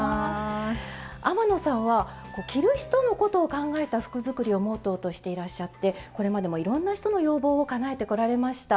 天野さんは「着る人のことを考えた服」作りをモットーとしていらっしゃってこれまでもいろんな人の要望をかなえてこられました。